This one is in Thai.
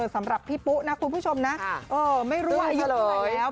สำหรับพี่ปุ๊นะคุณผู้ชมนะไม่รู้ว่าอายุเท่าไหร่แล้ว